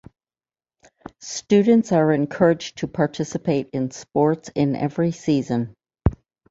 Students are encouraged to participate in sports in every season.